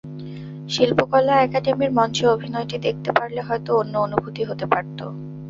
শিল্পকলা একাডেমীর মঞ্চে অভিনয়টি দেখতে পারলে হয়তো অন্য অনুভূতি হতে পারত।